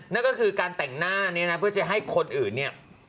นั่นก็คือการแต่งหน้านี้นะเพื่อจะให้คนอื่นเนี่ย